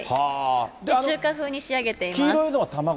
中華風に仕上げています。